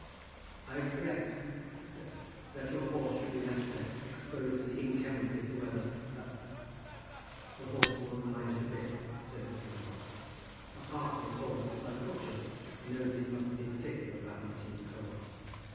"I regret," he said, "that your horse should be left there, exposed to the inclemency of the weather; but " "The horse won't mind it a bit," said Mr. Robarts. "A parson's horse is like a butcher's, and knows that he mustn't be particular about waiting in the cold."